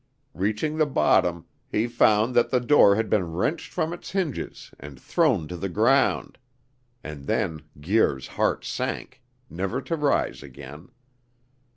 Reaching the bottom, he found that the door had been wrenched from its hinges and thrown to the ground; and then Guir's heart sank, never to rise again.